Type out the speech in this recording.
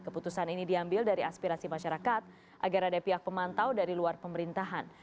keputusan ini diambil dari aspirasi masyarakat agar ada pihak pemantau dari luar pemerintahan